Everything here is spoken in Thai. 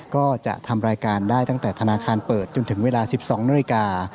ก็จะทำรายการได้ตั้งแต่ธนาคารเปิดจนถึงเวลา๑๒นาฬิกา